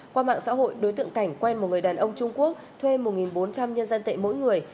qua mạng xã hội đối tượng cảnh quen một người đàn ông trung quốc thuê một bốn trăm linh nhân dân tệ mỗi người